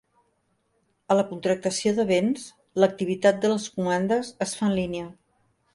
A la contractació de bens, l"activitat de les comandes es fa en línia.